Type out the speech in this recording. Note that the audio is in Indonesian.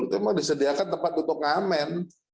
itu memang disediakan tempat untuk ngamen